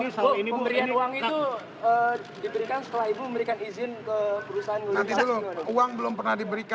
jadi nggak benar bu ya